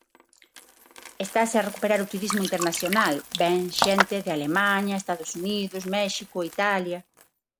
Estase a recuperar o turismo internacional, vén xente de Alemaña, Estados Unidos, México, Italia.